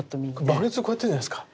バケツをこうやってんじゃないですか？